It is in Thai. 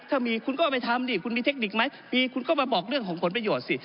ถ้ามีคุณก็เอาไปทำดิคุณมีเทคนิคไหมมีคุณก็มาบอกเรื่องของผลประโยชน์สิ